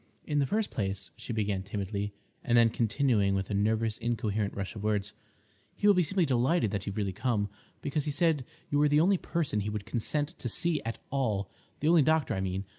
"In the first place," she began timidly, and then continuing with a nervous incoherent rush of words, "he will be simply delighted that you've really come, because he said you were the only person he would consent to see at all—the only doctor, I mean.